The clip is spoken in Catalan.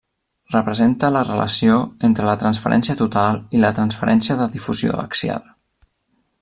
Representa la relació entre la transferència total i la transferència de difusió axial.